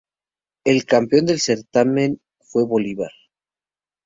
El campeón del certamen fue Bolívar.